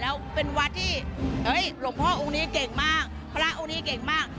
แล้วเป็นวัดที่หลวงพ่อองค์นี้เก่งมากพระองค์นี้เก่งมาก